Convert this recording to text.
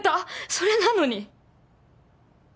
それなのに。